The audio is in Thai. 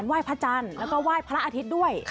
การว่ายพระจันทร์แล้วกันว่ายพระอาทิตย์ด้วย